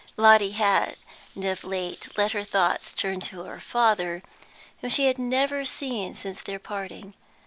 Lotty had of late let her thoughts turn to her father, whom she had never seen since their parting.